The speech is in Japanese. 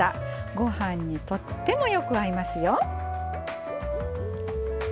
ご飯にとってもよく合いますよ。